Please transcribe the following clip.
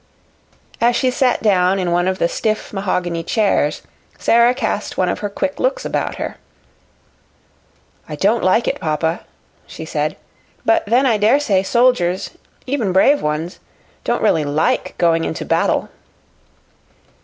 As she sat down in one of the stiff mahogany chairs, Sara cast one of her quick looks about her. "I don't like it, papa," she said. "But then I dare say soldiers even brave ones don't really LIKE going into battle."